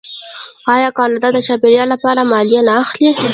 آیا کاناډا د چاپیریال لپاره مالیه نه اخلي؟